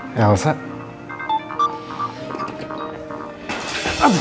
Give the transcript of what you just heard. nanti aku panggil